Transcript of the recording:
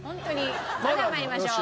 それでは参りましょう。